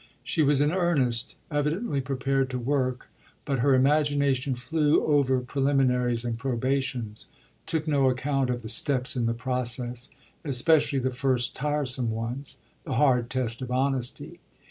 She was in earnest, evidently prepared to work, but her imagination flew over preliminaries and probations, took no account of the steps in the process, especially the first tiresome ones, the hard test of honesty.